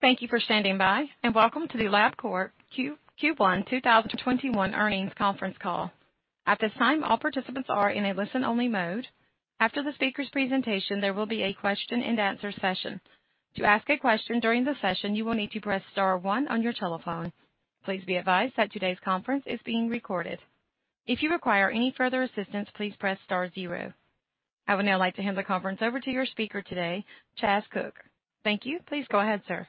Thank you for standing by, welcome to the Labcorp Q1 2021 Earnings Conference Call. At this time, all participants are in a listen-only mode. After the speaker's presentation, there will be a question-and-answer session. To ask a question during the session, you will need to press star one on your telephone. Please be advised that today's conference is being recorded. If you require any further assistance, please press star zero. I would now like to hand the conference over to your speaker today, Chas Cook. Thank you. Please go ahead, sir.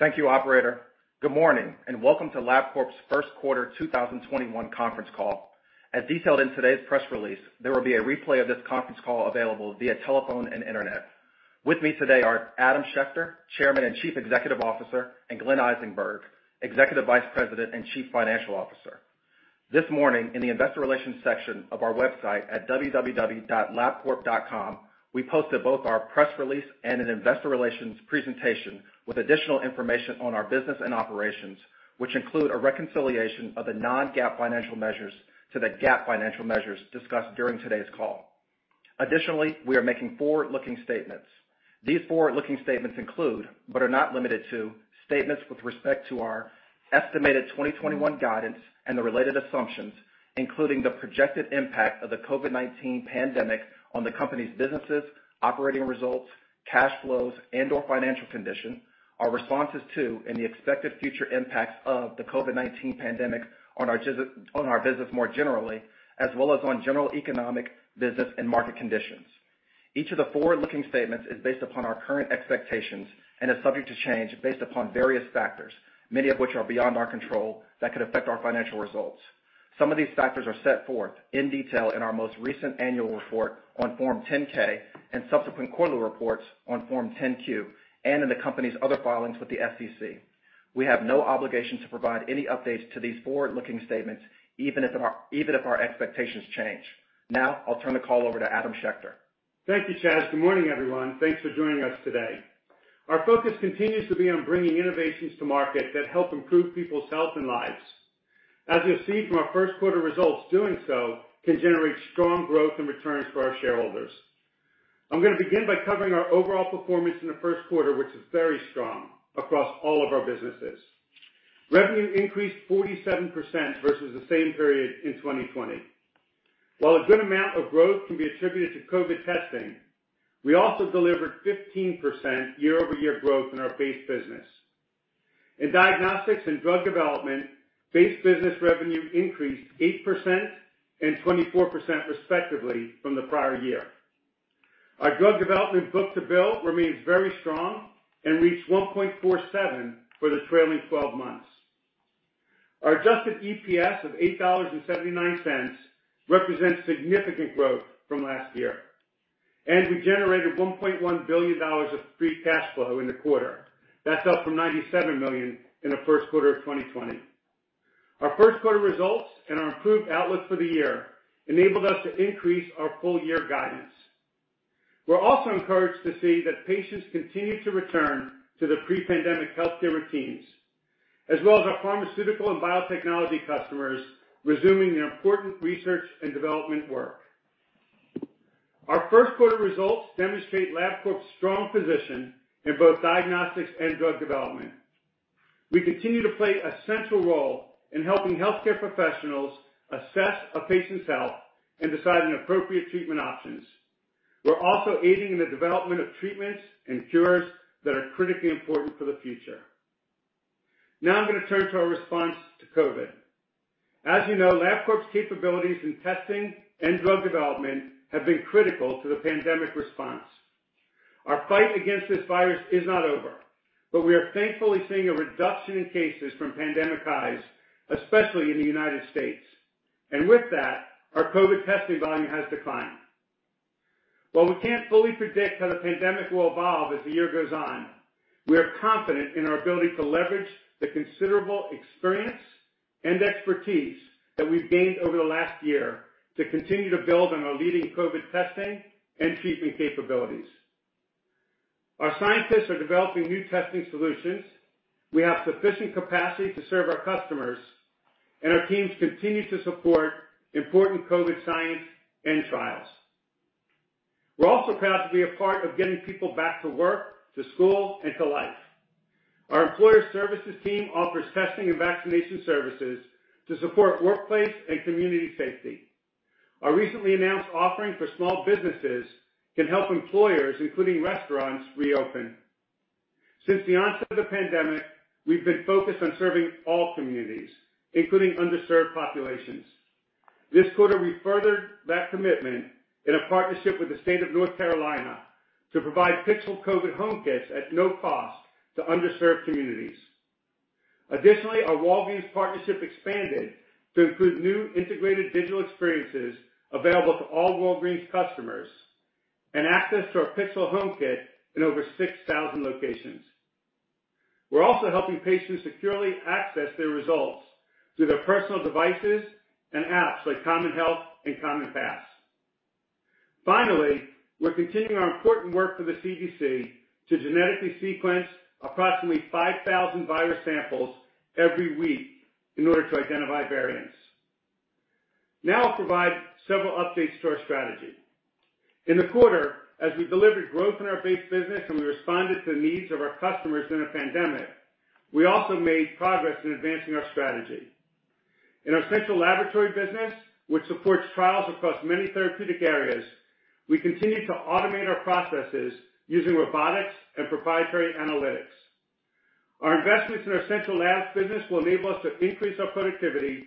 Thank you, operator. Good morning, and welcome to Labcorp's first quarter 2021 conference call. As detailed in today's press release, there will be a replay of this conference call available via telephone and internet. With me today are Adam Schechter, Chairman and Chief Executive Officer, and Glenn Eisenberg, Executive Vice President and Chief Financial Officer. This morning, in the investor relations section of our website at www.labcorp.com, we posted both our press release and an investor relations presentation with additional information on our business and operations, which include a reconciliation of the non-GAAP financial measures to the GAAP financial measures discussed during today's call. We are making forward-looking statements. These forward-looking statements include, but are not limited to, statements with respect to our estimated 2021 guidance and the related assumptions, including the projected impact of the COVID-19 pandemic on the company's businesses, operating results, cash flows, and/or financial condition, our responses to, and the expected future impacts of, the COVID-19 pandemic on our business more generally, as well as on general economic, business, and market conditions. Each of the forward-looking statements is based upon our current expectations and is subject to change based upon various factors, many of which are beyond our control, that could affect our financial results. Some of these factors are set forth in detail in our most recent annual report on Form 10-K and subsequent quarterly reports on Form 10-Q, and in the company's other filings with the SEC. We have no obligation to provide any updates to these forward-looking statements, even if our expectations change. I'll turn the call over to Adam Schechter. Thank you, Chas. Good morning, everyone. Thanks for joining us today. Our focus continues to be on bringing innovations to market that help improve people's health and lives. As you'll see from our first quarter results, doing so can generate strong growth and returns for our shareholders. I'm going to begin by covering our overall performance in the first quarter, which is very strong across all of our businesses. Revenue increased 47% versus the same period in 2020. While a good amount of growth can be attributed to COVID testing, we also delivered 15% year-over-year growth in our base business. In diagnostics and drug development, base business revenue increased 8% and 24% respectively from the prior year. Our drug development book-to-bill remains very strong and reached 1.47 for the trailing 12 months. Our adjusted EPS of $8.79 represents significant growth from last year, and we generated $1.1 billion of free cash flow in the quarter. That's up from $97 million in the first quarter of 2020. Our first quarter results and our improved outlook for the year enabled us to increase our full year guidance. We're also encouraged to see that patients continue to return to their pre-pandemic healthcare routines, as well as our pharmaceutical and biotechnology customers resuming their important research and development work. Our first quarter results demonstrate Labcorp's strong position in both diagnostics and drug development. We continue to play a central role in helping healthcare professionals assess a patient's health and decide on appropriate treatment options. We're also aiding in the development of treatments and cures that are critically important for the future. I'm going to turn to our response to COVID. As you know, Labcorp's capabilities in testing and drug development have been critical to the pandemic response. Our fight against this virus is not over, but we are thankfully seeing a reduction in cases from pandemic highs, especially in the U.S. With that, our COVID testing volume has declined. While we can't fully predict how the pandemic will evolve as the year goes on, we are confident in our ability to leverage the considerable experience and expertise that we've gained over the last year to continue to build on our leading COVID testing and sequencing capabilities. Our scientists are developing new testing solutions. We have sufficient capacity to serve our customers, and our teams continue to support important COVID science and trials. We're also proud to be a part of getting people back to work, to school, and to life. Our employer services team offers testing and vaccination services to support workplace and community safety. Our recently announced offering for small businesses can help employers, including restaurants, reopen. Since the onset of the pandemic, we've been focused on serving all communities, including underserved populations. This quarter, we furthered that commitment in a partnership with the state of North Carolina to provide Pixel COVID home kits at no cost to underserved communities. Additionally, our Walgreens partnership expanded to include new integrated digital experiences available to all Walgreens customers and access to our Pixel home kit in over 6,000 locations. We're also helping patients securely access their results through their personal devices and apps like CommonHealth and CommonPass. Finally, we're continuing our important work for the CDC to genetically sequence approximately 5,000 virus samples every week in order to identify variants. Now I'll provide several updates to our strategy. In the quarter, as we delivered growth in our base business and we responded to the needs of our customers in a pandemic, we also made progress in advancing our strategy. In our central laboratory business, which supports trials across many therapeutic areas, we continued to automate our processes using robotics and proprietary analytics. Our investments in our central labs business will enable us to increase our productivity,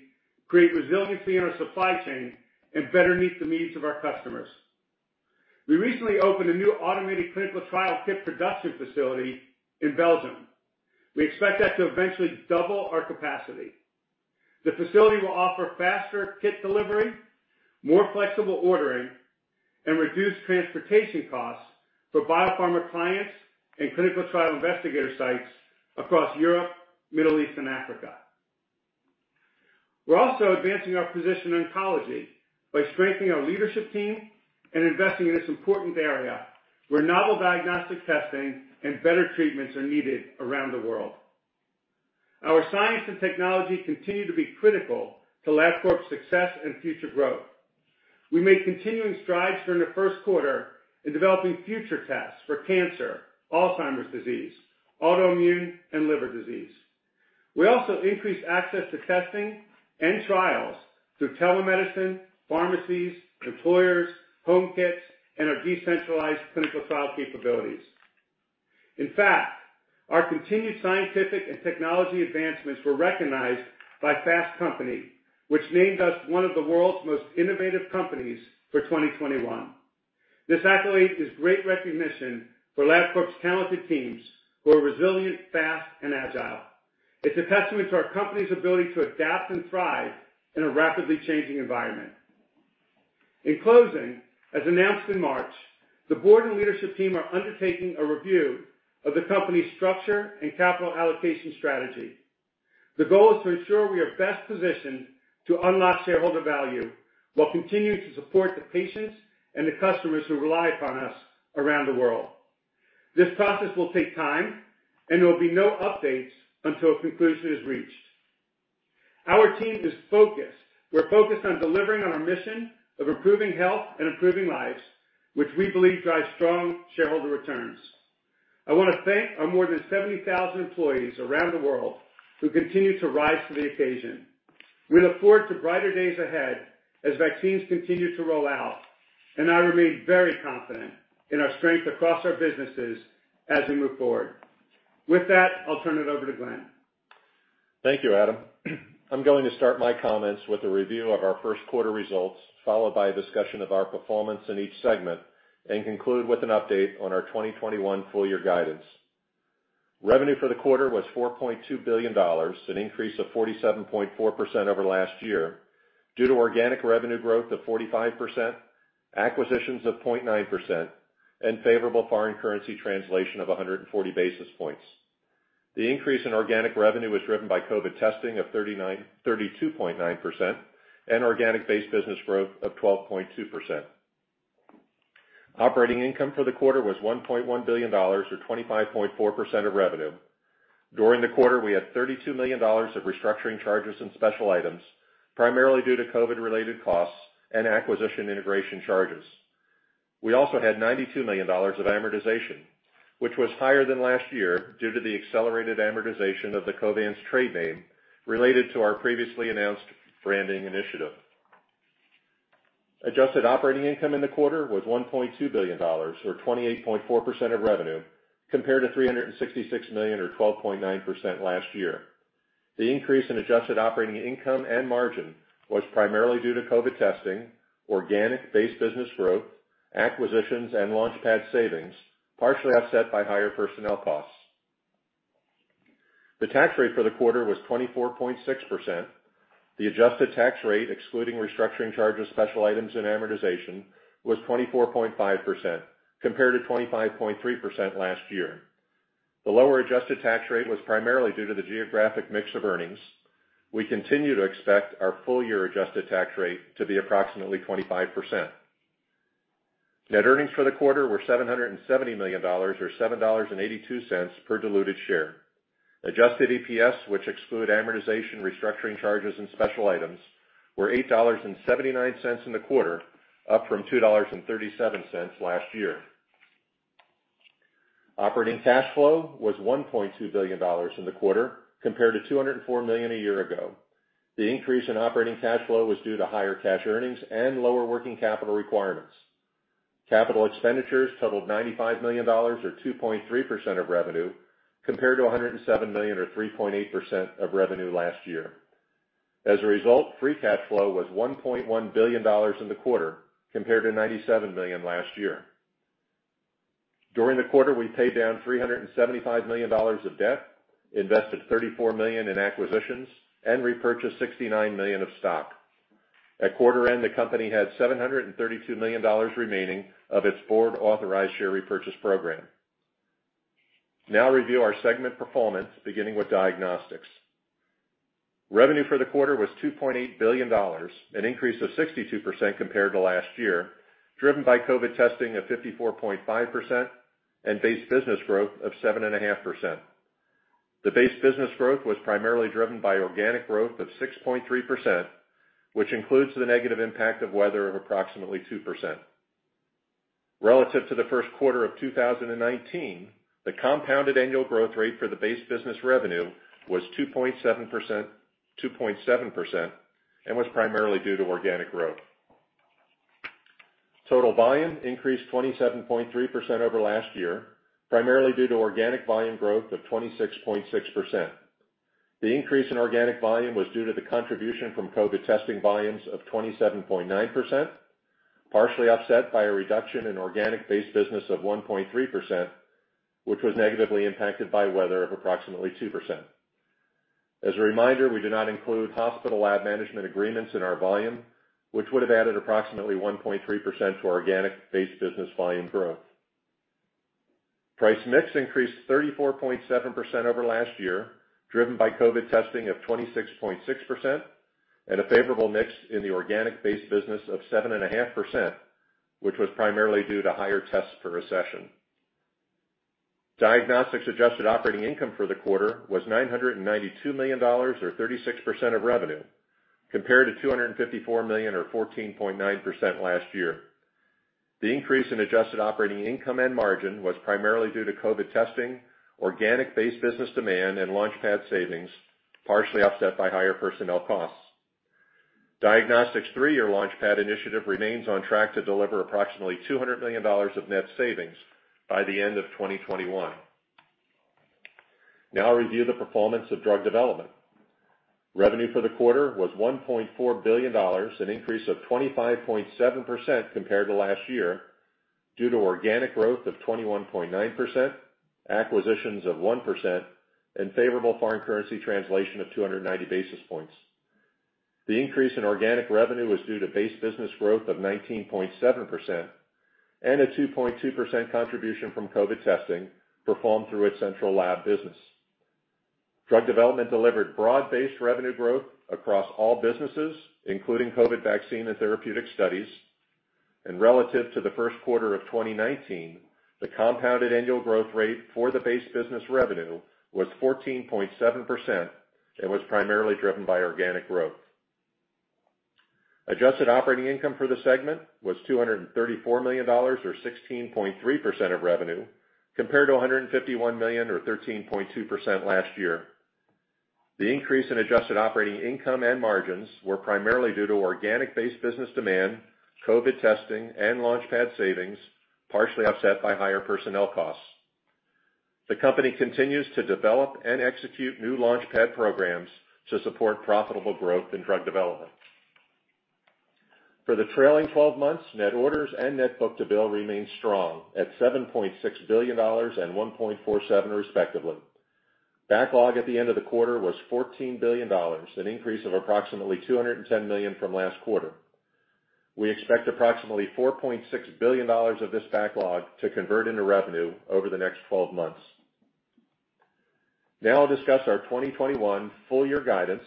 create resiliency in our supply chain, and better meet the needs of our customers. We recently opened a new automated clinical trial kit production facility in Belgium. We expect that to eventually double our capacity. The facility will offer faster kit delivery, more flexible ordering, and reduced transportation costs for biopharma clients and clinical trial investigator sites across Europe, Middle East, and Africa. We're also advancing our position in oncology by strengthening our leadership team and investing in this important area where novel diagnostic testing and better treatments are needed around the world. Our science and technology continue to be critical to Labcorp's success and future growth. We made continuing strides during the first quarter in developing future tests for cancer, Alzheimer's disease, autoimmune, and liver disease. We also increased access to testing and trials through telemedicine, pharmacies, employers, home kits, and our decentralized clinical trial capabilities. In fact, our continued scientific and technology advancements were recognized by Fast Company, which named us one of the world's most innovative companies for 2021. This accolade is great recognition for Labcorp's talented teams, who are resilient, fast and agile. It's a testament to our company's ability to adapt and thrive in a rapidly changing environment. In closing, as announced in March, the board and leadership team are undertaking a review of the company's structure and capital allocation strategy. The goal is to ensure we are best positioned to unlock shareholder value while continuing to support the patients and the customers who rely upon us around the world. This process will take time. There will be no updates until a conclusion is reached. Our team is focused. We're focused on delivering on our mission of improving health and improving lives, which we believe drives strong shareholder returns. I want to thank our more than 70,000 employees around the world who continue to rise to the occasion. We look forward to brighter days ahead as vaccines continue to roll out. I remain very confident in our strength across our businesses as we move forward. With that, I'll turn it over to Glenn. Thank you, Adam. I'm going to start my comments with a review of our first quarter results, followed by a discussion of our performance in each segment, and conclude with an update on our 2021 full year guidance. Revenue for the quarter was $4.2 billion, an increase of 47.4% over last year due to organic revenue growth of 45%, acquisitions of 0.9%, and favorable foreign currency translation of 140 basis points. The increase in organic revenue was driven by COVID testing of 32.9% and organic base business growth of 12.2%. Operating income for the quarter was $1.1 billion, or 25.4% of revenue. During the quarter, we had $32 million of restructuring charges and special items, primarily due to COVID-related costs and acquisition integration charges. We also had $92 million of amortization, which was higher than last year due to the accelerated amortization of the Covance trade name related to our previously announced branding initiative. Adjusted operating income in the quarter was $1.2 billion, or 28.4% of revenue, compared to $366 million or 12.9% last year. The increase in adjusted operating income and margin was primarily due to COVID testing, organic base business growth, acquisitions, and LaunchPad savings, partially offset by higher personnel costs. The tax rate for the quarter was 24.6%. The adjusted tax rate, excluding restructuring charges, special items and amortization, was 24.5% compared to 25.3% last year. The lower adjusted tax rate was primarily due to the geographic mix of earnings. We continue to expect our full year adjusted tax rate to be approximately 25%. Net earnings for the quarter were $770 million, or $7.82 per diluted share. Adjusted EPS, which exclude amortization, restructuring charges, and special items, were $8.79 in the quarter, up from $2.37 last year. Operating cash flow was $1.2 billion in the quarter, compared to $204 million a year ago. The increase in operating cash flow was due to higher cash earnings and lower working capital requirements. Capital expenditures totaled $95 million or 2.3% of revenue, compared to $107 million or 3.8% of revenue last year. As a result, free cash flow was $1.1 billion in the quarter, compared to $97 million last year. During the quarter, we paid down $375 million of debt, invested $34 million in acquisitions, and repurchased $69 million of stock. At quarter end, the company had $732 million remaining of its board-authorized share repurchase program. Review our segment performance, beginning with diagnostics. Revenue for the quarter was $2.8 billion, an increase of 62% compared to last year, driven by COVID testing of 54.5% and base business growth of 7.5%. The base business growth was primarily driven by organic growth of 6.3%, which includes the negative impact of weather of approximately 2%. Relative to the first quarter of 2019, the compounded annual growth rate for the base business revenue was 2.7%, and was primarily due to organic growth. Total volume increased 27.3% over last year, primarily due to organic volume growth of 26.6%. The increase in organic volume was due to the contribution from COVID testing volumes of 27.9%, partially offset by a reduction in organic base business of 1.3%, which was negatively impacted by weather of approximately 2%. As a reminder, we do not include hospital lab management agreements in our volume, which would have added approximately 1.3% to organic base business volume growth. Price mix increased 34.7% over last year, driven by COVID testing of 26.6% and a favorable mix in the organic base business of 7.5%, which was primarily due to higher tests per session. Diagnostics adjusted operating income for the quarter was $992 million or 36% of revenue, compared to $254 million or 14.9% last year. The increase in adjusted operating income and margin was primarily due to COVID testing, organic base business demand, and LaunchPad savings, partially offset by higher personnel costs. Diagnostics' three-year LaunchPad initiative remains on track to deliver approximately $200 million of net savings by the end of 2021. I'll review the performance of drug development. Revenue for the quarter was $1.4 billion, an increase of 25.7% compared to last year due to organic growth of 21.9%, acquisitions of 1%, and favorable foreign currency translation of 290 basis points. The increase in organic revenue was due to base business growth of 19.7% and a 2.2% contribution from COVID testing performed through its central lab business. Drug development delivered broad-based revenue growth across all businesses, including COVID vaccine and therapeutic studies. Relative to the first quarter of 2019, the compounded annual growth rate for the base business revenue was 14.7% and was primarily driven by organic growth. Adjusted operating income for the segment was $234 million or 16.3% of revenue compared to $151 million or 13.2% last year. The increase in adjusted operating income and margins were primarily due to organic base business demand, COVID testing and LaunchPad savings, partially offset by higher personnel costs. The company continues to develop and execute new LaunchPad programs to support profitable growth in drug development. For the trailing 12 months, net orders and net book-to-bill remained strong at $7.6 billion and $1.47 respectively. Backlog at the end of the quarter was $14 billion, an increase of approximately $210 million from last quarter. We expect approximately $4.6 billion of this backlog to convert into revenue over the next 12 months. Now I'll discuss our 2021 full year guidance,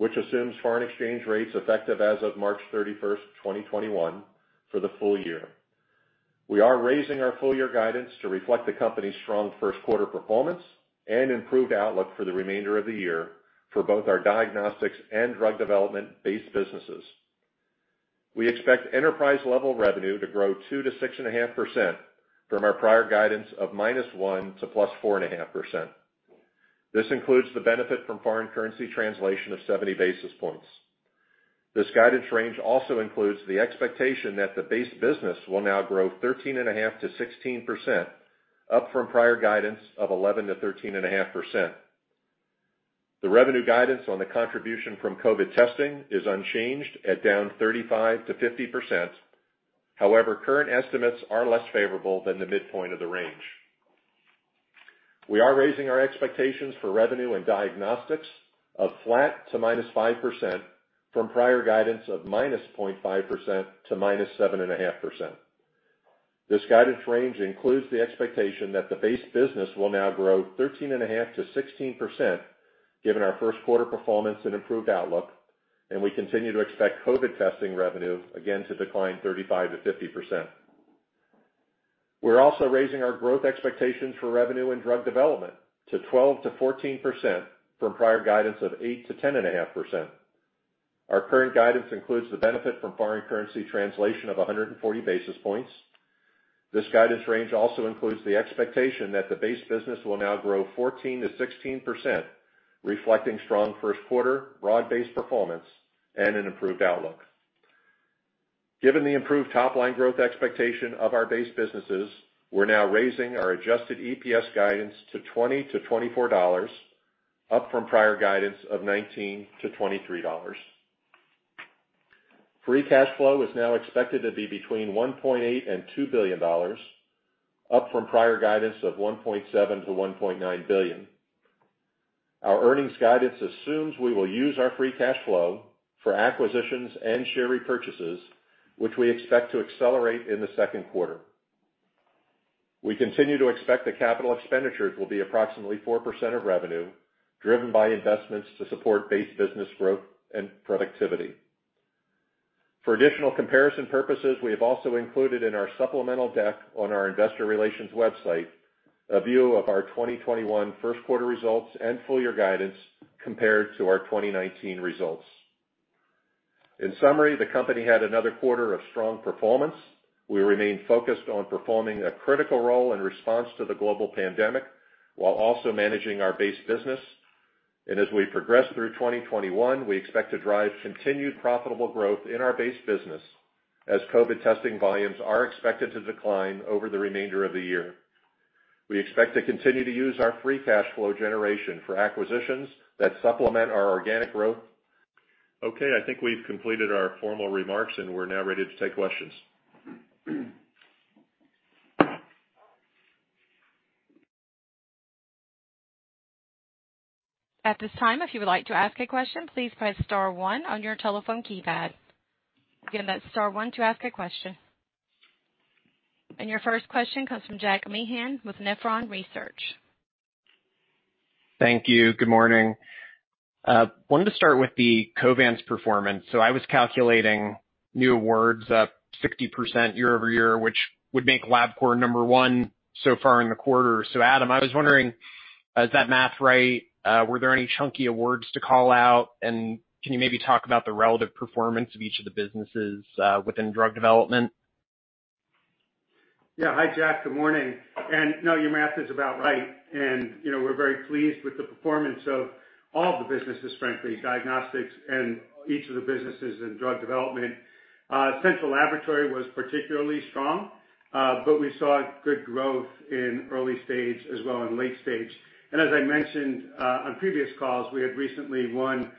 which assumes foreign exchange rates effective as of March 31st, 2021 for the full year. We are raising our full year guidance to reflect the company's strong first quarter performance and improved outlook for the remainder of the year for both our diagnostics and drug development base businesses. We expect enterprise-level revenue to grow 2%-6.5% from our prior guidance of -1% to +4.5%. This includes the benefit from foreign currency translation of 70 basis points. This guidance range also includes the expectation that the base business will now grow 13.5%-16%, up from prior guidance of 11%-13.5%. The revenue guidance on the contribution from COVID testing is unchanged at down 35%-50%. However, current estimates are less favorable than the midpoint of the range. We are raising our expectations for revenue in diagnostics of flat to -5% from prior guidance of -0.5% to -7.5%. This guidance range includes the expectation that the base business will now grow 13.5%-16% given our first quarter performance and improved outlook, and we continue to expect COVID testing revenue again to decline 35%-50%. We're also raising our growth expectations for revenue in drug development to 12%-14% from prior guidance of 8%-10.5%. Our current guidance includes the benefit from foreign currency translation of 140 basis points. This guidance range also includes the expectation that the base business will now grow 14%-16%, reflecting strong first quarter broad-based performance and an improved outlook. Given the improved top-line growth expectation of our base businesses, we're now raising our adjusted EPS guidance to $20-$24, up from prior guidance of $19-$23. Free cash flow is now expected to be between $1.8 billion and $2 billion, up from prior guidance of $1.7 billion-$1.9 billion. Our earnings guidance assumes we will use our free cash flow for acquisitions and share repurchases, which we expect to accelerate in the second quarter. We continue to expect that capital expenditures will be approximately 4% of revenue, driven by investments to support base business growth and productivity. For additional comparison purposes, we have also included in our supplemental deck on our investor relations website a view of our 2021 first quarter results and full-year guidance compared to our 2019 results. The company had another quarter of strong performance. We remain focused on performing a critical role in response to the global pandemic while also managing our base business. As we progress through 2021, we expect to drive continued profitable growth in our base business, as COVID testing volumes are expected to decline over the remainder of the year. We expect to continue to use our free cash flow generation for acquisitions that supplement our organic growth. I think we've completed our formal remarks, and we're now ready to take questions. At this time, if you would like to ask a question, please press star one on your telephone keypad. Again, that's star one to ask a question. Your first question comes from Jack Meehan with Nephron Research. Thank you. Good morning. Wanted to start with the Covance performance. I was calculating new awards up 60% year-over-year, which would make Labcorp number one so far in the quarter. Adam, I was wondering, is that math right? Were there any chunky awards to call out? Can you maybe talk about the relative performance of each of the businesses within drug development? Yeah. Hi, Jack. Good morning. No, your math is about right. We're very pleased with the performance of all the businesses, frankly, diagnostics and each of the businesses in drug development. Central laboratory was particularly strong, but we saw good growth in early stage as well in late stage. As I mentioned on previous calls, we had recently won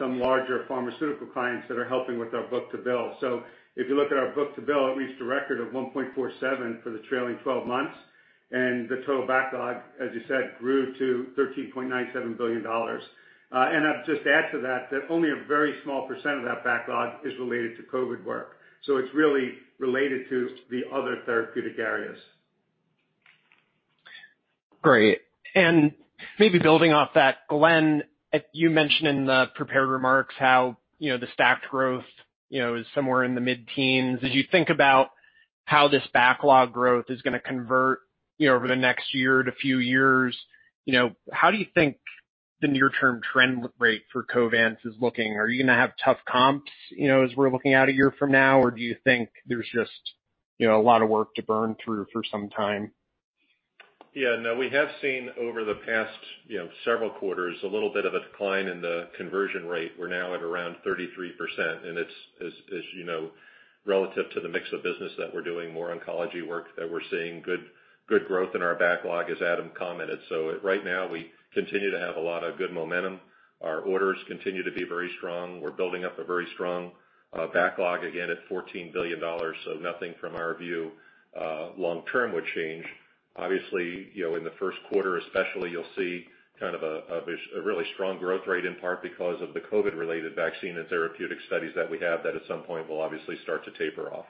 some larger pharmaceutical clients that are helping with our book-to-bill. If you look at our book-to-bill, it reached a record of 1.47 for the trailing 12 months, and the total backlog, as you said, grew to $13.97 billion. I'd just add to that only a very small percent of that backlog is related to COVID work. It's really related to the other therapeutic areas. Great. Maybe building off that, Glenn, you mentioned in the prepared remarks how the stacked growth is somewhere in the mid-teens. As you think about how this backlog growth is going to convert over the next year to few years, how do you think the near-term trend rate for Covance is looking? Are you going to have tough comps as we're looking at a year from now? Do you think there's just a lot of work to burn through for some time? We have seen over the past several quarters, a little bit of a decline in the conversion rate. We're now at around 33%, and it's as you know, relative to the mix of business that we're doing, more oncology work that we're seeing good growth in our backlog, as Adam commented. Right now, we continue to have a lot of good momentum. Our orders continue to be very strong. We're building up a very strong backlog again at $14 billion. Nothing from our view long-term would change. Obviously, in the first quarter, especially, you'll see kind of a really strong growth rate, in part because of the COVID-related vaccine and therapeutic studies that we have that at some point will obviously start to taper off.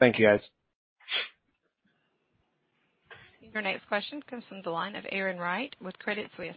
Thank you, guys. Your next question comes from the line of Erin Wright with Credit Suisse.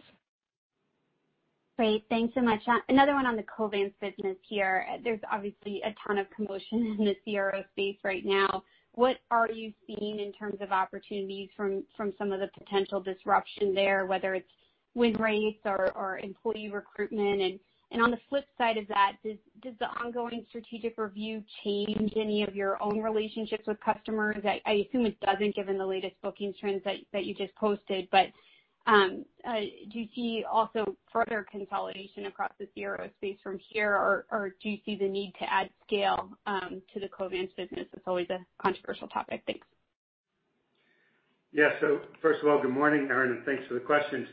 Great. Thanks so much. Another one on the Covance business here. There's obviously a ton of commotion in the CRO space right now. What are you seeing in terms of opportunities from some of the potential disruption there, whether it's win rates or employee recruitment? On the flip side of that, does the ongoing strategic review change any of your own relationships with customers? I assume it doesn't, given the latest booking trends that you just posted. Do you see also further consolidation across the CRO space from here? Do you see the need to add scale to the Covance business? It's always a controversial topic. Thanks. Yeah. First of all, good morning, Erin, and thanks for the questions.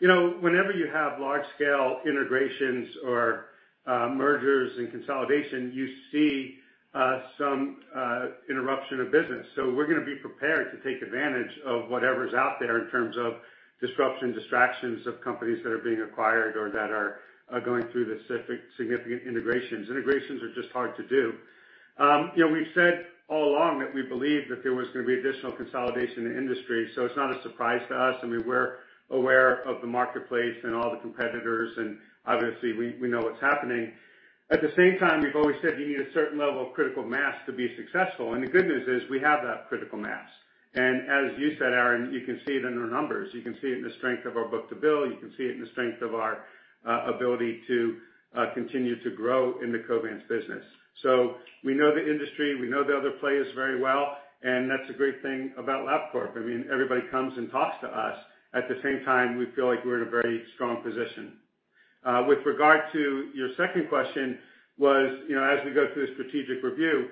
Whenever you have large-scale integrations or mergers and consolidation, you see some interruption of business. We're going to be prepared to take advantage of whatever's out there in terms of disruption, distractions of companies that are being acquired or that are going through the significant integrations. Integrations are just hard to do. We've said all along that we believe that there was going to be additional consolidation in the industry, so it's not a surprise to us. I mean, we're aware of the marketplace and all the competitors, and obviously, we know what's happening. At the same time, we've always said you need a certain level of critical mass to be successful. The good news is we have that critical mass. As you said, Erin, you can see it in our numbers. You can see it in the strength of our book-to-bill. You can see it in the strength of our ability to continue to grow in the Covance business. We know the industry, we know the other players very well, and that's a great thing about Labcorp. I mean, everybody comes and talks to us. At the same time, we feel like we're in a very strong position. With regard to your second question was, as we go through the strategic review,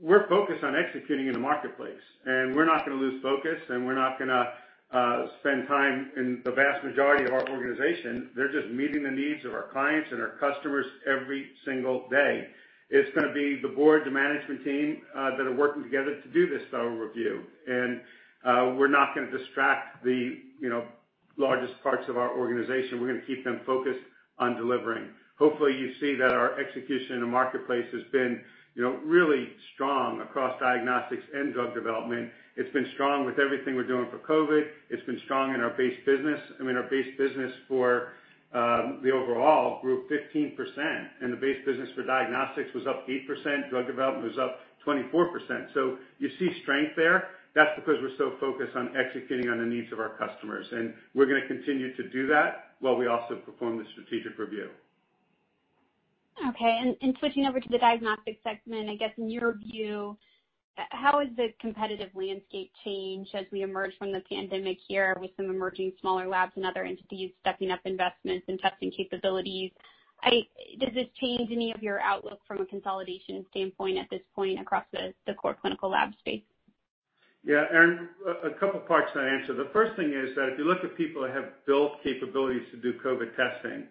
we're focused on executing in the marketplace, and we're not going to lose focus, and we're not going to spend time in the vast majority of our organization. They're just meeting the needs of our clients and our customers every single day. It's going to be the board, the management team that are working together to do this thorough review. We're not going to distract the largest parts of our organization, we're going to keep them focused on delivering. Hopefully, you see that our execution in the marketplace has been really strong across diagnostics and drug development. It's been strong with everything we're doing for COVID. It's been strong in our base business. I mean, our base business for the overall grew 15%, and the base business for diagnostics was up 8%, drug development was up 24%. You see strength there. That's because we're so focused on executing on the needs of our customers, and we're going to continue to do that while we also perform the strategic review. Okay. Switching over to the diagnostics segment, I guess in your view, how has the competitive landscape changed as we emerge from the pandemic here with some emerging smaller labs and other entities stepping up investments in testing capabilities? Does this change any of your outlook from a consolidation standpoint at this point across the core clinical lab space? Yeah, Erin, a couple parts to that answer. The first thing is that if you look at people that have built capabilities to do COVID testing,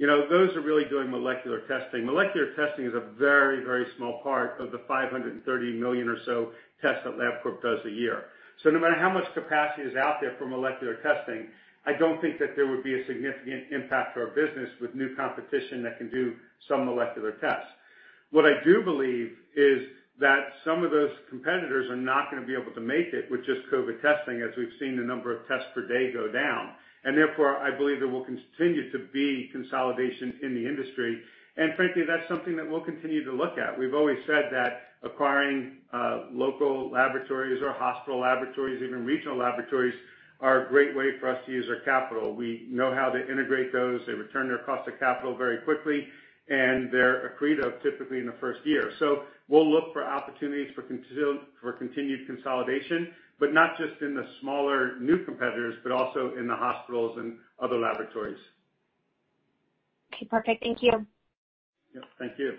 those are really doing molecular testing. Molecular testing is a very small part of the 530 million or so tests that Labcorp does a year. No matter how much capacity is out there for molecular testing, I don't think that there would be a significant impact to our business with new competition that can do some molecular tests. What I do believe is that some of those competitors are not going to be able to make it with just COVID testing, as we've seen the number of tests per day go down. Therefore, I believe there will continue to be consolidation in the industry. Frankly, that's something that we'll continue to look at. We've always said that acquiring local laboratories or hospital laboratories, even regional laboratories, are a great way for us to use our capital. We know how to integrate those. They return their cost of capital very quickly, and they're accretive, typically, in the first year. We'll look for opportunities for continued consolidation, but not just in the smaller new competitors, but also in the hospitals and other laboratories. Okay, perfect. Thank you. Yep, thank you.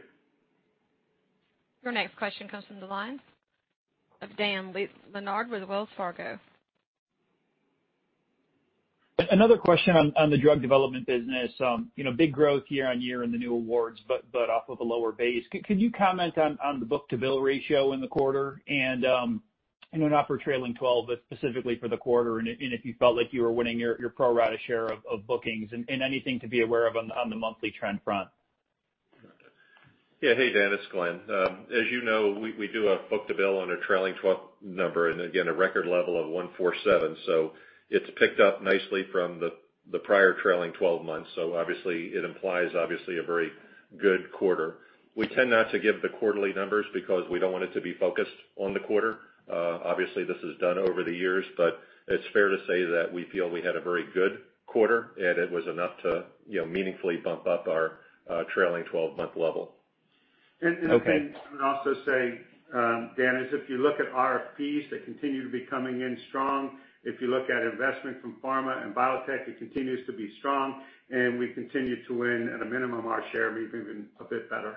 Your next question comes from the line of Dan Leonard with Wells Fargo. Another question on the drug development business. Big growth year-on-year in the new awards, but off of a lower base. Could you comment on the book-to-bill ratio in the quarter and, not for trailing 12, but specifically for the quarter, and if you felt like you were winning your pro rata share of bookings, and anything to be aware of on the monthly trend front? Yeah. Hey, Dan, it's Glenn. As you know, we do a book-to-bill on a trailing 12 number. Again, a record level of 1.47, so it's picked up nicely from the prior trailing 12 months. Obviously, it implies obviously a very good quarter. We tend not to give the quarterly numbers because we don't want it to be focused on the quarter. Obviously, this is done over the years, but it's fair to say that we feel we had a very good quarter and it was enough to meaningfully bump up our trailing 12-month level. Okay. I would also say, Dan, if you look at RFPs, they continue to be coming in strong. If you look at investment from pharma and biotech, it continues to be strong, and we continue to win at a minimum our share, maybe even a bit better.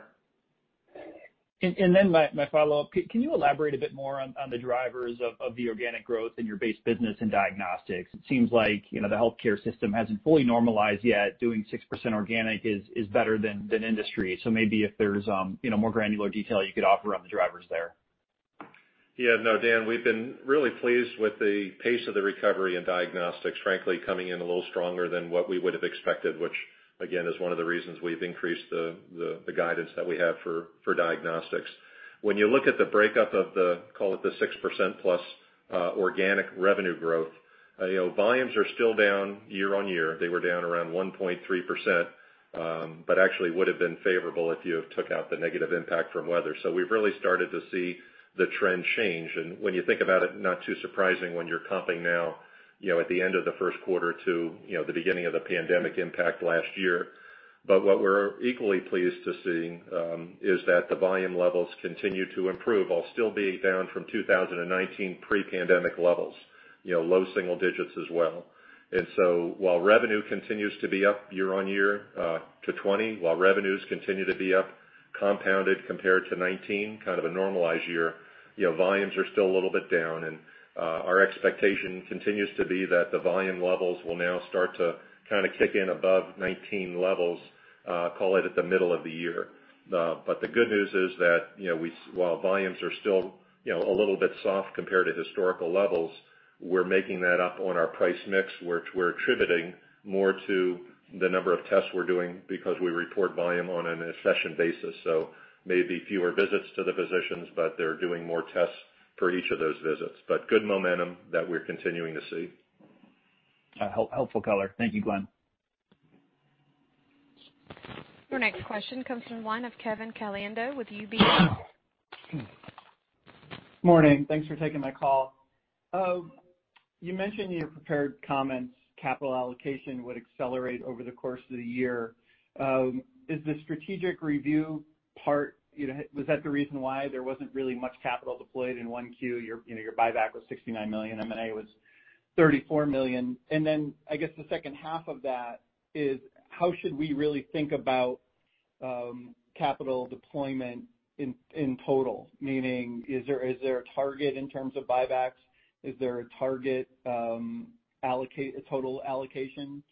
My follow-up, can you elaborate a bit more on the drivers of the organic growth in your base business and diagnostics? It seems like the healthcare system hasn't fully normalized yet. Doing 6% organic is better than industry. Maybe if there's more granular detail you could offer on the drivers there. Yeah. No, Dan, we've been really pleased with the pace of the recovery in diagnostics, frankly, coming in a little stronger than what we would have expected, which again, is one of the reasons we've increased the guidance that we have for diagnostics. When you look at the breakup of the, call it, the 6% plus organic revenue growth, volumes are still down year-on-year. They were down around 1.3%, but actually would've been favorable if you have took out the negative impact from weather. We've really started to see the trend change. When you think about it, not too surprising when you're comping now at the end of the first quarter to the beginning of the pandemic impact last year. What we're equally pleased to see is that the volume levels continue to improve while still being down from 2019 pre-pandemic levels. Low single digits as well. While revenue continues to be up year-over-year to 2020, while revenues continue to be up compounded compared to 2019, kind of a normalized year, volumes are still a little bit down. Our expectation continues to be that the volume levels will now start to kind of kick in above 2019 levels, call it at the middle of the year. The good news is that while volumes are still a little bit soft compared to historical levels, we're making that up on our price mix. We're attributing more to the number of tests we're doing because we report volume on an accession basis. Maybe fewer visits to the physicians, but they're doing more tests for each of those visits. Good momentum that we're continuing to see. Helpful color. Thank you, Glenn. Your next question comes from the line of Kevin Caliendo with UBS. Morning. Thanks for taking my call. You mentioned in your prepared comments capital allocation would accelerate over the course of the year. Is the strategic review part the reason why there wasn't really much capital deployed in Q1? Your buyback was $69 million, M&A was $34 million. I guess the second half of that is how should we really think about capital deployment in total? Meaning, is there a target in terms of buybacks? Is there a target total allocation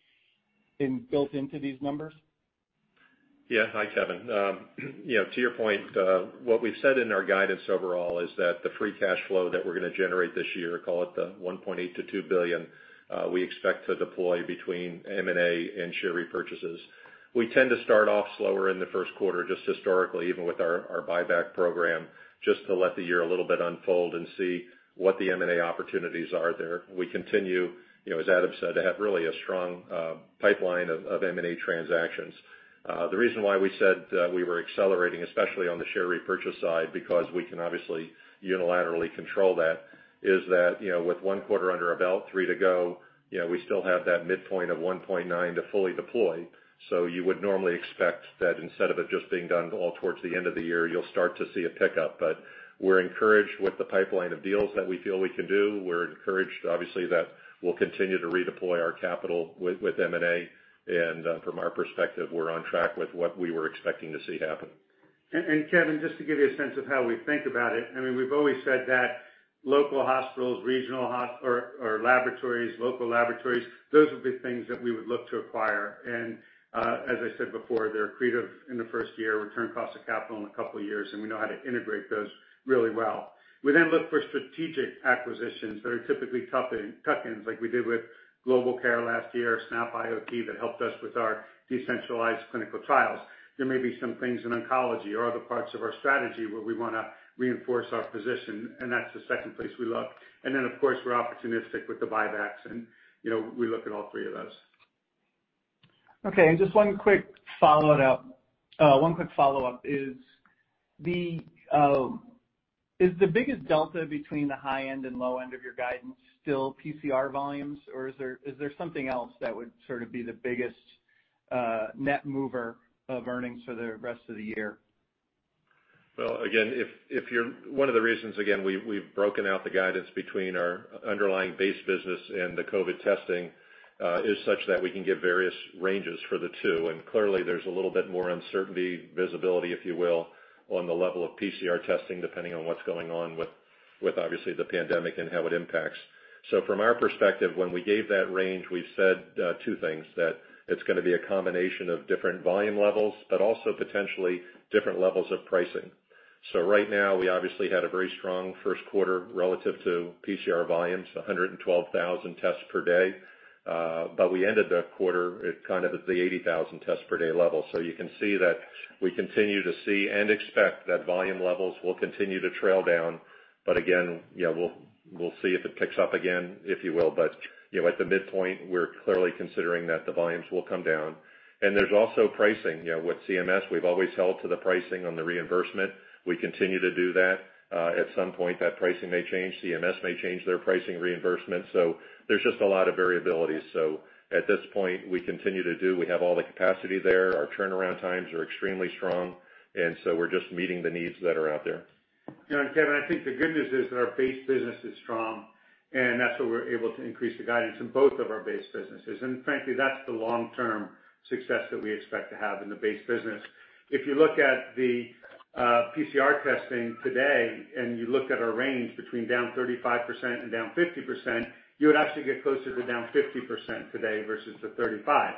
built into these numbers? Hi, Kevin. To your point, what we've said in our guidance overall is that the free cash flow that we're going to generate this year, call it the $1.8 billion-$2 billion, we expect to deploy between M&A and share repurchases. We tend to start off slower in the first quarter, just historically, even with our buyback program, just to let the year a little bit unfold and see what the M&A opportunities are there. We continue, as Adam said, to have really a strong pipeline of M&A transactions. The reason why we said we were accelerating, especially on the share repurchase side, because we can obviously unilaterally control that, is that, with one quarter under our belt, three to go, we still have that midpoint of $1.9 billion to fully deploy. You would normally expect that instead of it just being done all towards the end of the year, you'll start to see a pickup. We're encouraged with the pipeline of deals that we feel we can do. We're encouraged, obviously, that we'll continue to redeploy our capital with M&A, and from our perspective, we're on track with what we were expecting to see happen. Kevin, just to give you a sense of how we think about it. We've always said that local hospitals, regional laboratories, local laboratories, those would be things that we would look to acquire. As I said before, they're accretive in the first year, return cost of capital in a couple of years, and we know how to integrate those really well. We look for strategic acquisitions that are typically tuck-ins, like we did with GlobalCare last year, snapIoT, that helped us with our decentralized clinical trials. There may be some things in oncology or other parts of our strategy where we want to reinforce our position, and that's the second place we look. Then, of course, we're opportunistic with the buybacks and we look at all three of those. Okay, just one quick follow-up. Is the biggest delta between the high end and low end of your guidance still PCR volumes? Is there something else that would sort of be the biggest net mover of earnings for the rest of the year? Well, one of the reasons, again, we've broken out the guidance between our underlying base business and the COVID-19 testing is such that we can give various ranges for the two. Clearly, there's a little bit more uncertainty, visibility, if you will, on the level of PCR testing, depending on what's going on with obviously the pandemic and how it impacts. From our perspective, when we gave that range, we've said two things, that it's going to be a combination of different volume levels, but also potentially different levels of pricing. Right now, we obviously had a very strong first quarter relative to PCR volumes, 112,000 tests per day. We ended the quarter kind of at the 80,000 tests per day level. You can see that we continue to see and expect that volume levels will continue to trail down. Again, we'll see if it picks up again, if you will. At the midpoint, we're clearly considering that the volumes will come down. There's also pricing. With CMS, we've always held to the pricing on the reimbursement. We continue to do that. At some point that pricing may change. CMS may change their pricing reimbursement. There's just a lot of variability. At this point, we have all the capacity there. Our turnaround times are extremely strong, we're just meeting the needs that are out there. Kevin, I think the good news is that our base business is strong, and that's why we're able to increase the guidance in both of our base businesses. Frankly, that's the long-term success that we expect to have in the base business. If you look at the PCR testing today, and you look at our range between down 35% and down 50%, you would actually get closer to down 50% today versus the 35%.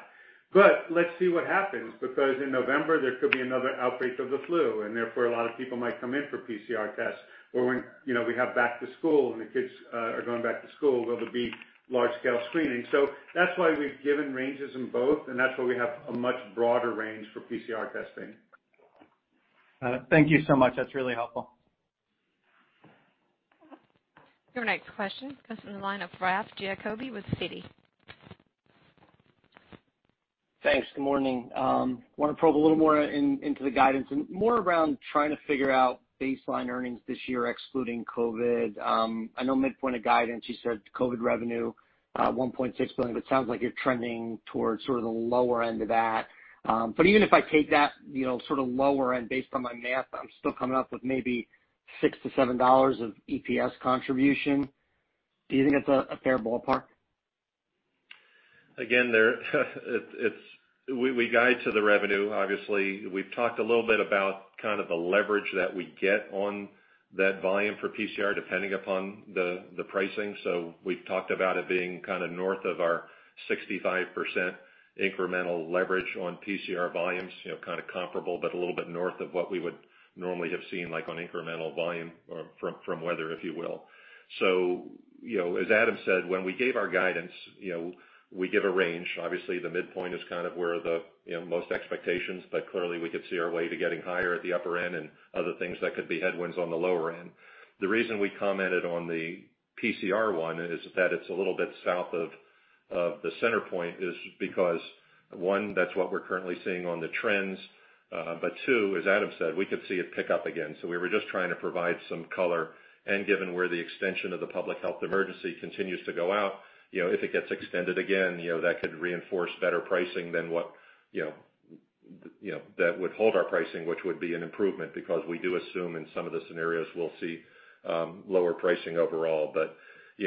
Let's see what happens, because in November, there could be another outbreak of the flu, and therefore, a lot of people might come in for PCR tests. When we have back to school and the kids are going back to school, will there be large-scale screening? That's why we've given ranges in both, and that's why we have a much broader range for PCR testing. Thank you so much. That's really helpful. Your next question comes from the line of Ralph Giacobbe with Citi. Thanks. Good morning. Want to probe a little more into the guidance and more around trying to figure out baseline earnings this year, excluding COVID. I know midpoint of guidance, you said COVID revenue, $1.6 billion. It sounds like you're trending towards sort of the lower end of that. Even if I take that sort of lower end, based on my math, I'm still coming up with maybe $6-$7 of EPS contribution. Do you think it's a fair ballpark? Again, we guide to the revenue, obviously. We've talked a little bit about kind of the leverage that we get on that volume for PCR, depending upon the pricing. We've talked about it being kind of north of our 65% incremental leverage on PCR volumes, kind of comparable, but a little bit north of what we would normally have seen, like on incremental volume or from weather, if you will. As Adam said, when we gave our guidance, we give a range. Obviously, the midpoint is kind of where the most expectations, but clearly we could see our way to getting higher at the upper end and other things that could be headwinds on the lower end. The reason we commented on the PCR one is that it's a little bit south of the center point is because, one, that's what we're currently seeing on the trends. Two, as Adam said, we could see it pick up again. We were just trying to provide some color. Given where the extension of the public health emergency continues to go out, if it gets extended again, that could reinforce better pricing than that would hold our pricing, which would be an improvement because we do assume in some of the scenarios we'll see lower pricing overall.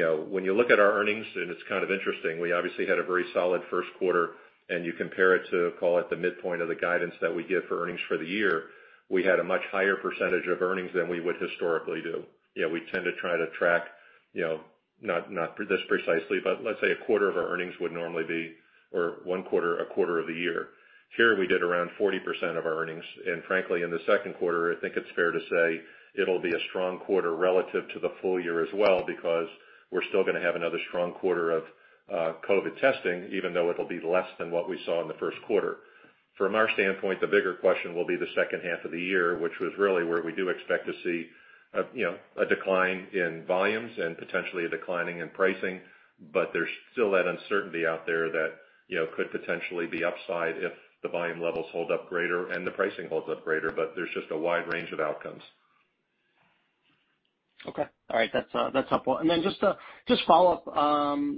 When you look at our earnings, and it's kind of interesting, we obviously had a very solid first quarter, and you compare it to, call it the midpoint of the guidance that we give for earnings for the year, we had a much higher percentage of earnings than we would historically do. We tend to try to track, not this precisely, but let's say a quarter of our earnings would normally be, or one quarter, a quarter of the year. Here we did around 40% of our earnings, and frankly, in the second quarter, I think it's fair to say it'll be a strong quarter relative to the full year as well because we're still going to have another strong quarter of COVID testing, even though it'll be less than what we saw in the first quarter. From our standpoint, the bigger question will be the second half of the year, which was really where we do expect to see a decline in volumes and potentially a declining in pricing. There's still that uncertainty out there that could potentially be upside if the volume levels hold up greater and the pricing holds up greater, but there's just a wide range of outcomes. Okay. All right. That's helpful. Then just a follow-up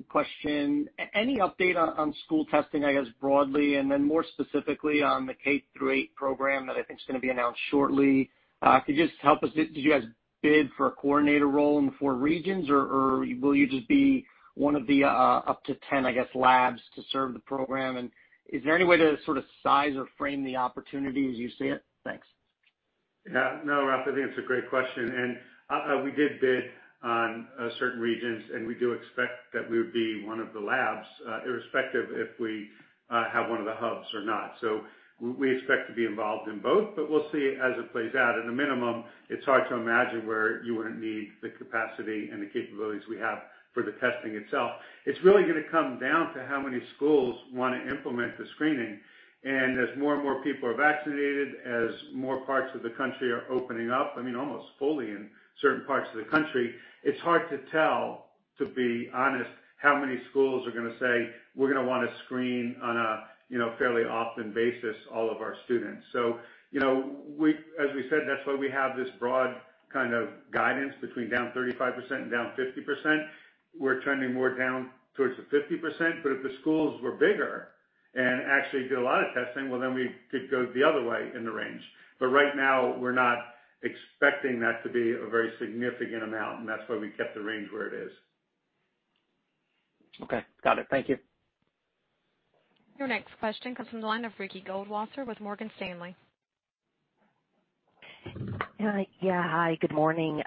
question, any update on school testing, I guess, broadly, then more specifically on the K through 8 program that I think is going to be announced shortly? Could you just help us, did you guys bid for a coordinator role in the four regions, or will you just be one of the up to 10, I guess, labs to serve the program? Is there any way to sort of size or frame the opportunity as you see it? Thanks. Yeah. No, Ralph, I think it's a great question. We did bid on certain regions, and we do expect that we would be one of the labs, irrespective if we have one of the hubs or not. We expect to be involved in both, but we'll see as it plays out. At a minimum, it's hard to imagine where you wouldn't need the capacity and the capabilities we have for the testing itself. It's really going to come down to how many schools want to implement the screening. As more and more people are vaccinated, as more parts of the country are opening up, I mean, almost fully in certain parts of the country, it's hard to tell, to be honest, how many schools are going to say, "We're going to want to screen on a fairly often basis all of our students." As we said, that's why we have this broad kind of guidance between down 35% and down 50%. We're trending more down towards the 50%, but if the schools were bigger and actually do a lot of testing, well, then we could go the other way in the range. Right now, we're not expecting that to be a very significant amount, and that's why we kept the range where it is. Okay. Got it. Thank you. Your next question comes from the line of Ricky Goldwasser with Morgan Stanley. Hi, good morning.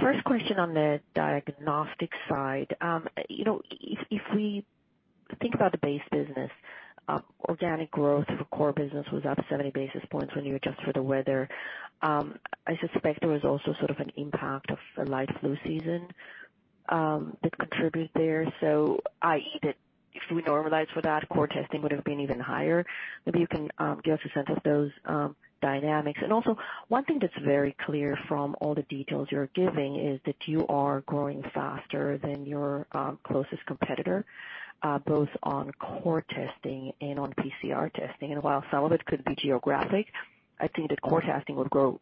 First question on the diagnostic side. If we think about the base business, organic growth for core business was up 70 basis points when you adjust for the weather. I suspect there was also sort of an impact of a light flu season that contribute there. I.e., that if we normalize for that, core testing would've been even higher. Maybe you can give us a sense of those dynamics. Also, one thing that's very clear from all the details you're giving is that you are growing faster than your closest competitor, both on core testing and on PCR testing. While some of it could be geographic, I'd think that core testing would grow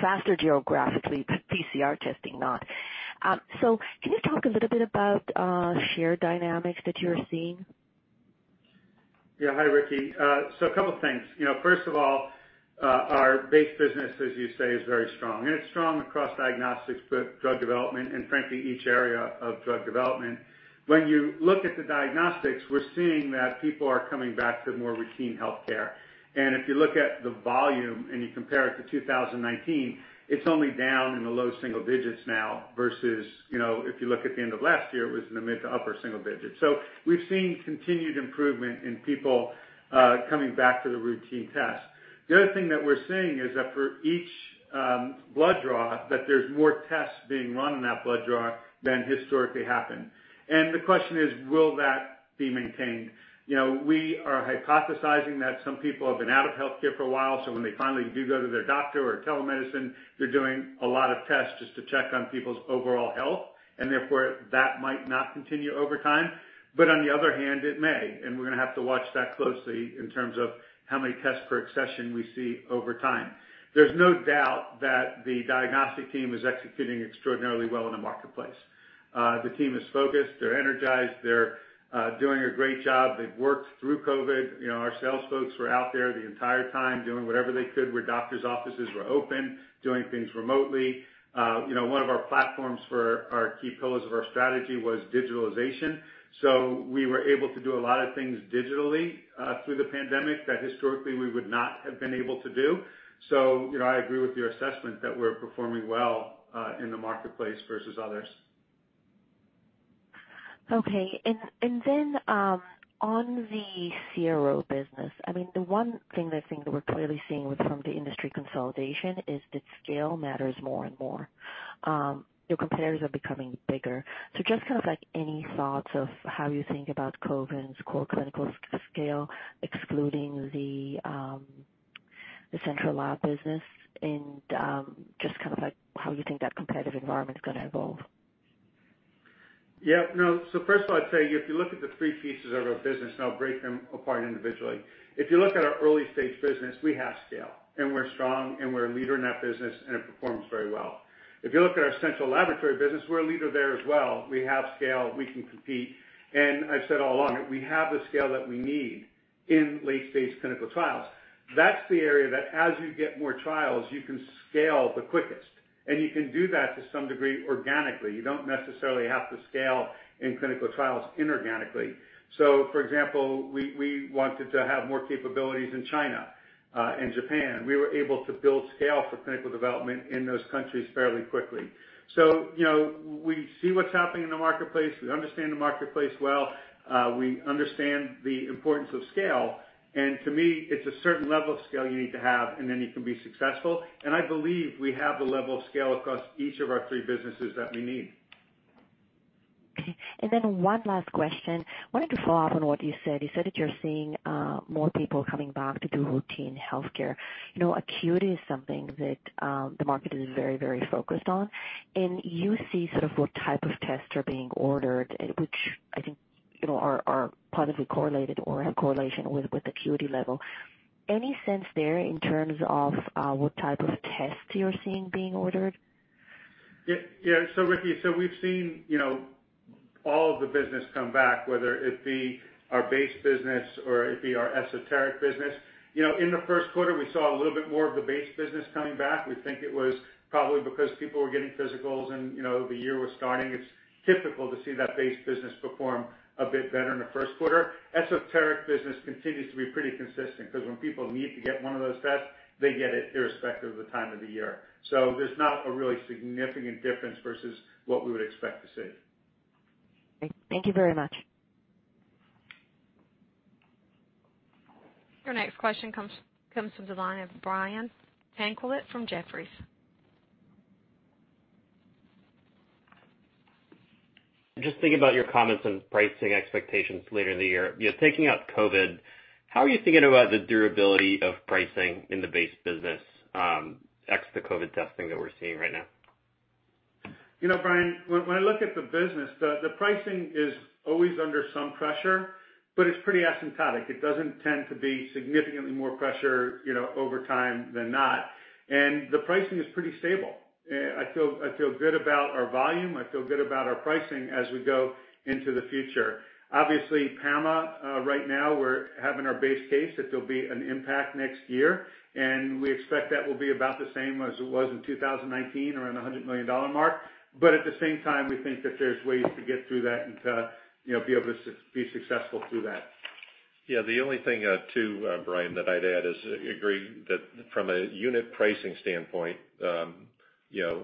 faster geographically, but PCR testing not. Can you talk a little bit about share dynamics that you're seeing? Hi, Ricky. A couple things. First of all, our base business, as you say, is very strong. It's strong across diagnostics, but drug development, and frankly, each area of drug development. When you look at the diagnostics, we're seeing that people are coming back to more routine healthcare. If you look at the volume and you compare it to 2019, it's only down in the low single digits now versus if you look at the end of last year, it was in the mid to upper single digits. We've seen continued improvement in people coming back for the routine test. The other thing that we're seeing is that for each blood draw, that there's more tests being run in that blood draw than historically happened. The question is, will that be maintained? We are hypothesizing that some people have been out of healthcare for a while, so when they finally do go to their doctor or telemedicine, they're doing a lot of tests just to check on people's overall health, and therefore, that might not continue over time. On the other hand, it may, and we're going to have to watch that closely in terms of how many tests per accession we see over time. There's no doubt that the diagnostic team is executing extraordinarily well in the marketplace. The team is focused. They're energized. They're doing a great job. They've worked through COVID-19. Our sales folks were out there the entire time doing whatever they could where doctor's offices were open, doing things remotely. One of our platforms for our key pillars of our strategy was digitalization. We were able to do a lot of things digitally through the pandemic that historically we would not have been able to do. I agree with your assessment that we're performing well in the marketplace versus others. Okay. On the CRO business, I mean, the one thing that I think that we're clearly seeing with some of the industry consolidation is that scale matters more and more. Your competitors are becoming bigger. Just kind of like any thoughts of how you think about Covance core clinical scale, excluding the central lab business, and just how you think that competitive environment's going to evolve. Yeah. No. First of all, I'd say if you look at the three pieces of our business, and I'll break them apart individually. If you look at our early-stage business, we have scale, and we're strong, and we're a leader in that business, and it performs very well. If you look at our central laboratory business, we're a leader there as well. We have scale. We can compete. I've said all along, we have the scale that we need in late-stage clinical trials. That's the area that as you get more trials, you can scale the quickest, and you can do that to some degree organically. You don't necessarily have to scale in clinical trials inorganically. For example, we wanted to have more capabilities in China, and Japan. We were able to build scale for clinical development in those countries fairly quickly. We see what's happening in the marketplace. We understand the marketplace well. We understand the importance of scale. To me, it's a certain level of scale you need to have, and then you can be successful. I believe we have the level of scale across each of our three businesses that we need. One last question. I wanted to follow up on what you said. You said that you're seeing more people coming back to do routine healthcare. Acuity is something that the market is very focused on, and you see what type of tests are being ordered, which I think are positively correlated or have correlation with acuity level. Any sense there in terms of what type of tests you're seeing being ordered? Yeah. Ricky, we've seen all of the business come back, whether it be our base business or it be our esoteric business. In the first quarter, we saw a little bit more of the base business coming back. We think it was probably because people were getting physicals and the year was starting. It's typical to see that base business perform a bit better in the first quarter. Esoteric business continues to be pretty consistent, because when people need to get one of those tests, they get it irrespective of the time of the year. There's not a really significant difference versus what we would expect to see. Okay. Thank you very much. Your next question comes from the line of Brian Tanquilut from Jefferies. Just thinking about your comments on pricing expectations later in the year. Taking out COVID, how are you thinking about the durability of pricing in the base business, ex the COVID testing that we're seeing right now? Brian, when I look at the business, the pricing is always under some pressure, but it's pretty asymptotic. It doesn't tend to be significantly more pressure over time than not. The pricing is pretty stable. I feel good about our volume, I feel good about our pricing as we go into the future. Obviously, PAMA, right now we're having our base case that there'll be an impact next year, and we expect that will be about the same as it was in 2019, around the $100 million. At the same time, we think that there's ways to get through that and to be able to be successful through that. Yeah, the only thing too, Brian, that I'd add is agree that from a unit pricing standpoint,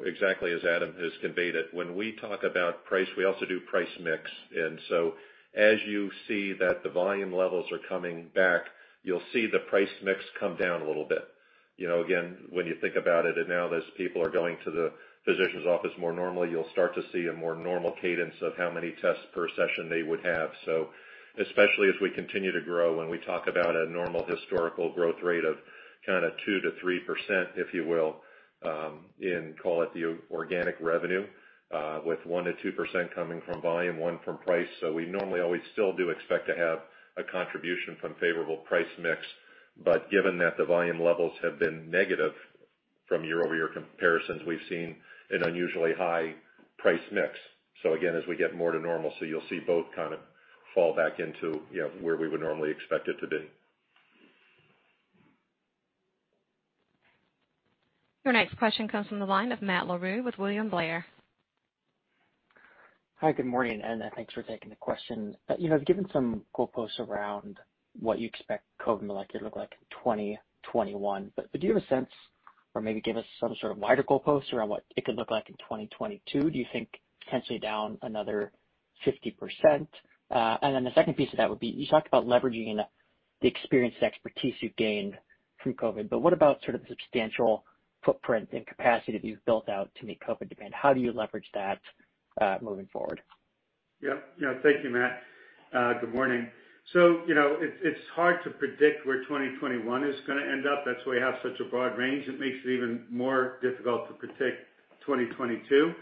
exactly as Adam has conveyed it, when we talk about price, we also do price mix. As you see that the volume levels are coming back, you will see the price mix come down a little bit. Again, when you think about it and now as people are going to the physician's office more normally, you will start to see a more normal cadence of how many tests per session they would have. Especially as we continue to grow, when we talk about a normal historical growth rate of kind of 2%-3%, if you will, in call it the organic revenue, with 1%-2% coming from volume, 1% from price. We normally always still do expect to have a contribution from favorable price mix. Given that the volume levels have been negative from year-over-year comparisons, we've seen an unusually high price mix. Again, as we get more to normal, so you'll see both kind of fall back into where we would normally expect it to be. Your next question comes from the line of Matt Larew with William Blair. Hi, good morning. Thanks for taking the question. You have given some goalposts around what you expect COVID molecular to look like in 2021. Do you have a sense, or maybe give us some sort of wider goalpost around what it could look like in 2022? Do you think potentially down another 50%? The second piece of that would be, you talked about leveraging the experience and expertise you've gained from COVID, but what about sort of the substantial footprint and capacity that you've built out to meet COVID demand? How do you leverage that moving forward? Yeah. Thank you, Matt. Good morning. It's hard to predict where 2021 is going to end up. That's why you have such a broad range. It makes it even more difficult to predict 2022.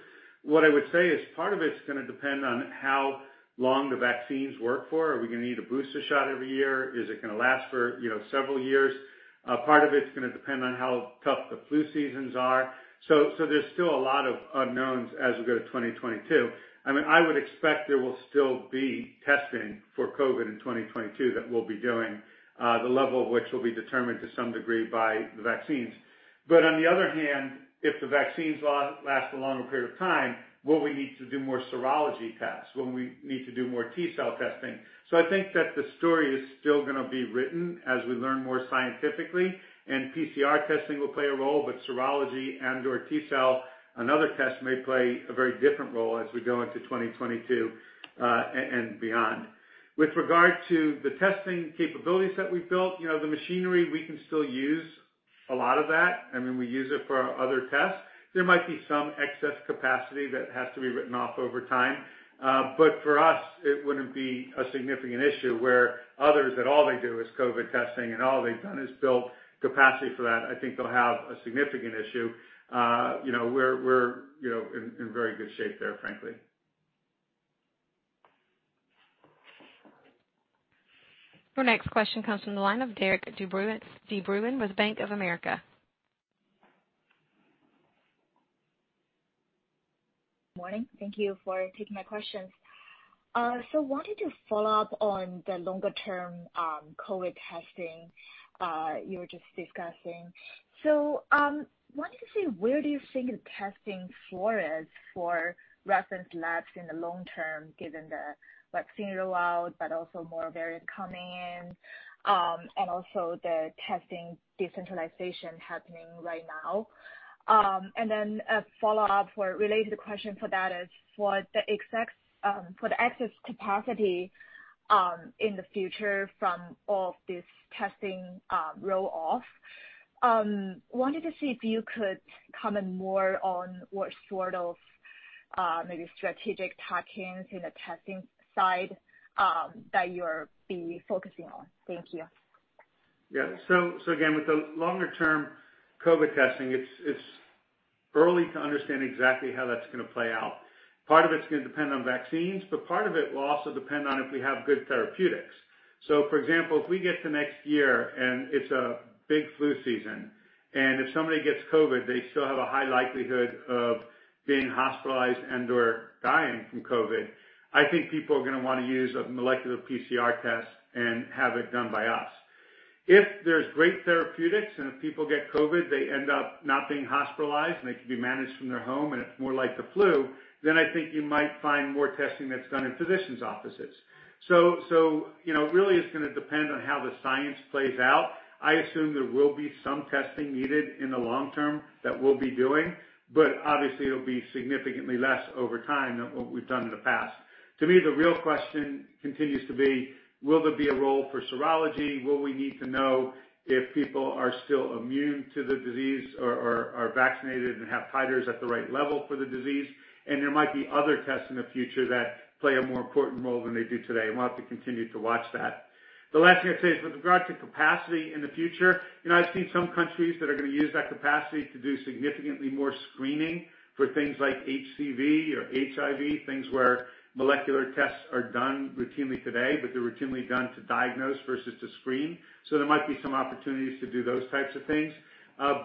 What I would say is part of it's going to depend on how long the vaccines work for. Are we going to need a booster shot every year? Is it going to last for several years? Part of it's going to depend on how tough the flu seasons are. There's still a lot of unknowns as we go to 2022. I would expect there will still be testing for COVID in 2022 that we'll be doing, the level of which will be determined to some degree by the vaccines. On the other hand, if the vaccines last a longer period of time, will we need to do more serology tests? Will we need to do more T-cell testing? I think that the story is still going to be written as we learn more scientifically, and PCR testing will play a role, but serology and/or T-cell and other tests may play a very different role as we go into 2022 and beyond. With regard to the testing capabilities that we've built, the machinery, we can still use a lot of that. We use it for our other tests. There might be some excess capacity that has to be written off over time. For us, it wouldn't be a significant issue, where others that all they do is COVID testing and all they've done is build capacity for that, I think they'll have a significant issue. We're in very good shape there, frankly. Your next question comes from the line of Derik de Bruin with Bank of America. Morning. Thank you for taking my questions. Wanted to follow up on the longer-term COVID-19 testing you were just discussing. Wanted to see, where do you think the testing floor is for reference labs in the long term, given the vaccine rollout, but also more variant coming in, and also the testing decentralization happening right now? Then a follow-up or related question for that is for the excess capacity in the future from all of this testing roll-off? Wanted to see if you could comment more on what sort of maybe strategic tuck-ins in the testing side that you'll be focusing on? Thank you. Yeah. Again, with the longer-term COVID-19 testing, it's early to understand exactly how that's going to play out. Part of it's going to depend on vaccines, part of it will also depend on if we have good therapeutics. For example, if we get to next year and it's a big flu season, and if somebody gets COVID-19, they still have a high likelihood of being hospitalized and/or dying from COVID-19, I think people are going to want to use a molecular PCR test and have it done by us. If there's great therapeutics and if people get COVID-19, they end up not being hospitalized, and they can be managed from their home, and it's more like the flu, I think you might find more testing that's done in physician's offices. Really, it's going to depend on how the science plays out. I assume there will be some testing needed in the long term that we'll be doing. Obviously, it'll be significantly less over time than what we've done in the past. To me, the real question continues to be, will there be a role for serology? Will we need to know if people are still immune to the disease or are vaccinated and have titers at the right level for the disease? There might be other tests in the future that play a more important role than they do today, and we'll have to continue to watch that. The last thing I'd say is with regard to capacity in the future, I see some countries that are going to use that capacity to do significantly more screening for things like HCV or HIV, things where molecular tests are done routinely today, but they're routinely done to diagnose versus to screen. There might be some opportunities to do those types of things.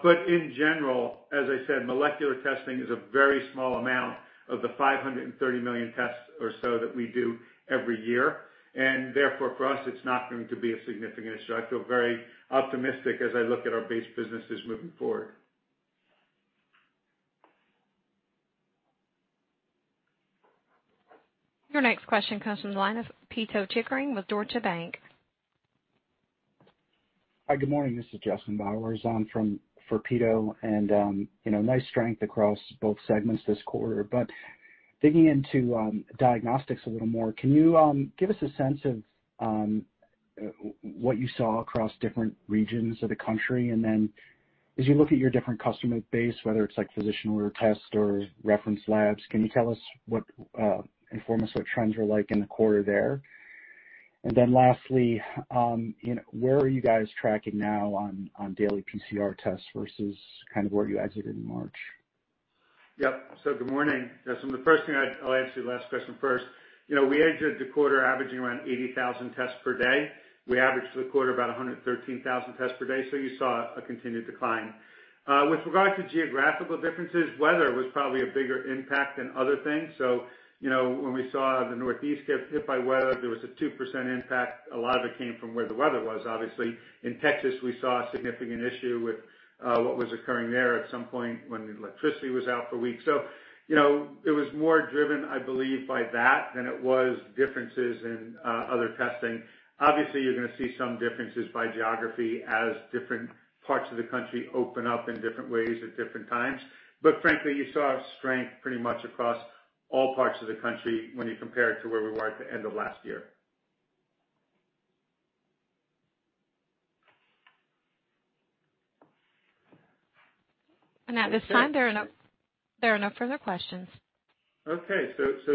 In general, as I said, molecular testing is a very small amount of the 530 million tests or so that we do every year, and therefore, for us, it's not going to be a significant issue. I feel very optimistic as I look at our base businesses moving forward. Your next question comes from the line of Pito Chickering with Deutsche Bank. Hi. Good morning. This is Justin Bowers for Pito, nice strength across both segments this quarter. Digging into diagnostics a little more, can you give us a sense of what you saw across different regions of the country? As you look at your different customer base, whether it's like physician retest or reference labs, can you inform us what trends are like in the quarter there? Lastly, where are you guys tracking now on daily PCR tests versus where you exited in March? Yep. Good morning, Justin. The first thing, I'll answer your last question first. We exit the quarter averaging around 80,000 tests per day. We averaged for the quarter about 113,000 tests per day. You saw a continued decline. With regard to geographical differences, weather was probably a bigger impact than other things. When we saw the Northeast get hit by weather, there was a 2% impact. A lot of it came from where the weather was, obviously. In Texas, we saw a significant issue with what was occurring there at some point when the electricity was out for weeks. It was more driven, I believe, by that than it was differences in other testing. Obviously, you're going to see some differences by geography as different parts of the country open up in different ways at different times. Frankly, you saw strength pretty much across all parts of the country when you compare it to where we were at the end of last year. At this time, there are no further questions. Okay.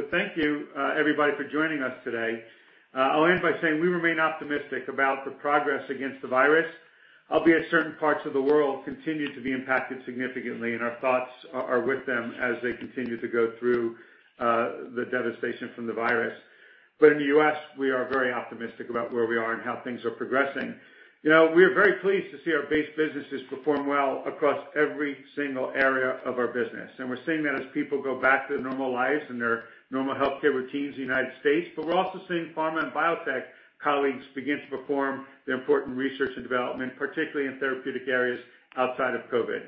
Thank you, everybody, for joining us today. I'll end by saying we remain optimistic about the progress against the virus, albeit certain parts of the world continue to be impacted significantly, and our thoughts are with them as they continue to go through the devastation from the virus. In the U.S., we are very optimistic about where we are and how things are progressing. We are very pleased to see our base businesses perform well across every single area of our business. We're seeing that as people go back to their normal lives and their normal healthcare routines in the United States, but we're also seeing pharma and biotech colleagues begin to perform the important research and development, particularly in therapeutic areas outside of COVID.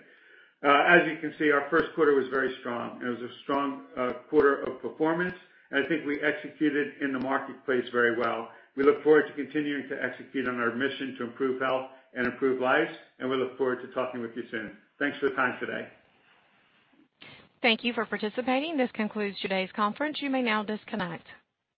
As you can see, our first quarter was very strong. It was a strong quarter of performance, and I think we executed in the marketplace very well. We look forward to continuing to execute on our mission to improve health and improve lives, and we look forward to talking with you soon. Thanks for the time today. Thank you for participating. This concludes today's conference. You may now disconnect.